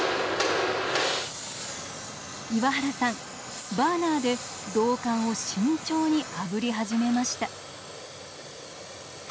岩原さんバーナーで銅管を慎重にあぶり始めました。